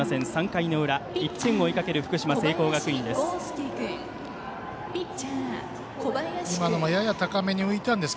３回の裏、１点を追いかける福島・聖光学院です。